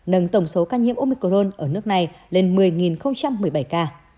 nâng tổng số ca nhiễm omicron ở nước này lên một mươi một mươi bảy ca